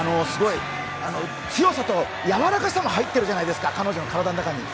強さと柔らかさも入ってるじゃないですか、彼女の体の中に。